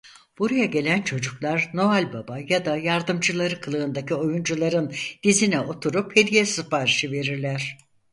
Buraya gelen çocuklar Noel Baba ya da yardımcıları kılığındaki oyuncuların dizine oturup hediye siparişi verirler.